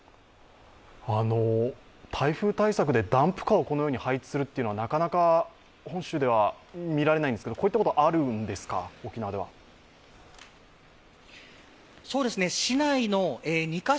台風対策でダンプカーをこのように配置するというのはなかなか本州では見られないんですけれども、こういったことは沖縄ではあるんですか？